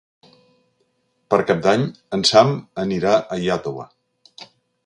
Per Cap d'Any en Sam anirà a Iàtova.